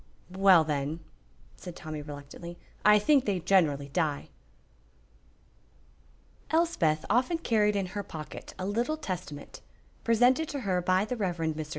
"Well, then," said Tommy, reluctantly, "I think they generally die." Elspeth often carried in her pocket a little Testament, presented to her by the Rev. Mr.